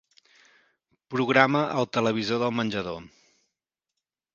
Programa el televisor del menjador.